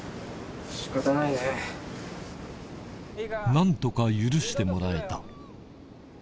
何とか許してもらえた